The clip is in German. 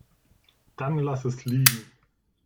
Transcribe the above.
Dann lass es liegen.